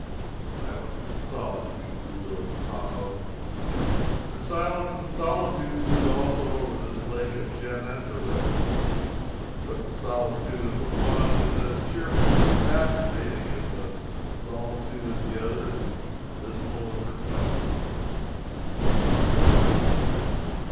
Silence and solitude brood over Tahoe; and silence and solitude brood also over this lake of Genessaret. But the solitude of the one is as cheerful and fascinating as the solitude of the other is dismal and repellant.